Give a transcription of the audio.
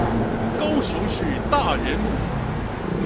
高雄市大仁路